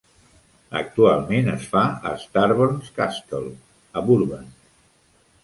Actualment es fa a Starburns Castle, a Burbank.